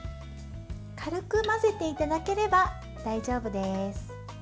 軽く混ぜていただければ大丈夫です。